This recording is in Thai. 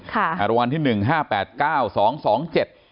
รางวัลที่หนึ่งห้าแปดเก้าสองสองเจ็ด